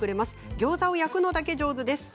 ギョーザを焼くのだけ上手です。